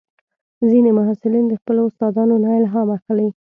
ځینې محصلین د خپلو استادانو نه الهام اخلي.